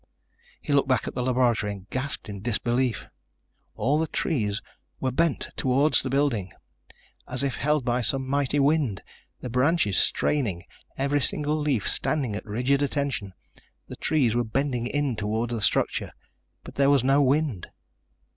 He looked back at the laboratory and gasped in disbelief. All the trees were bent toward the building, as if held by some mighty wind. Their branches straining, every single leaf standing at rigid attention, the trees were bending in toward the structure. _But there was no wind.